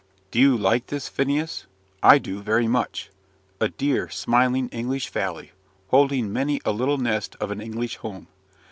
"Do you like this, Phineas? I do, very much. A dear, smiling, English valley, holding many a little nest of an English home.